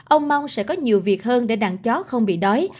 ông mong sẽ có nhiều việc hơn để đàn chó không bị đói